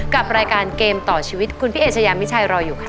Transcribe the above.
กับรายการเกมต่อชีวิตคุณพี่เอเชยามิชัยรออยู่ค่ะ